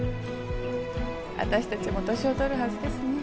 私たちも年を取るはずですね。